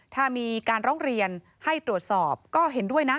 ถ้ามีการร้องเรียนให้ตรวจสอบก็เห็นด้วยนะ